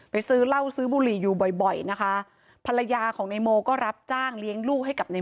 ซื้อเหล้าซื้อบุหรี่อยู่บ่อยบ่อยนะคะภรรยาของนายโมก็รับจ้างเลี้ยงลูกให้กับใน